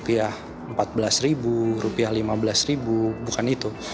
misalkan rp empat belas rp lima belas bukan itu